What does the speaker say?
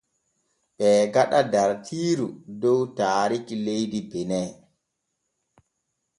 Ɓee gaɗa dartiiru dow taarikki leydi Bene.